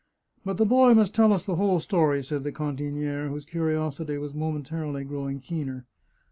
" But the boy must tell us the whole story," said the can tiniere, whose curiosity was momentarily growing keener.